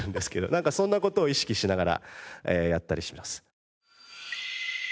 なんかそんな事を意識しながらやったりします。